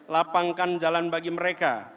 lapangkan jalan bagi mereka